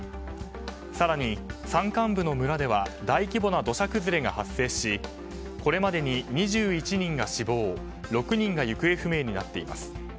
更に、山間部の村では大規模な土砂崩れが発生しこれまでに２１人が死亡６人が行方不明になっています。